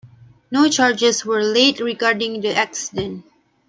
No charges were laid regarding the accident.